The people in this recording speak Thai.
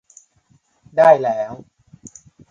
ได้แล้ว